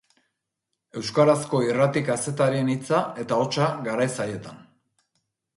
Euskarazko irrati kazetarien hitza eta hotsa garai zailetan.